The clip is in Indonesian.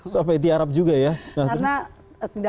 suapai tiarap juga ya